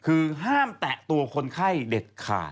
คือห้ามแตะตัวคนไข้เด็ดขาด